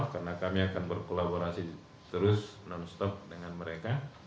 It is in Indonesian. karena kami akan berkolaborasi terus non stop dengan mereka